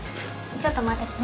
ちょっと待っててね。